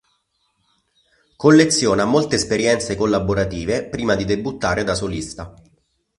Colleziona molte esperienze collaborative prima di debuttare da solista.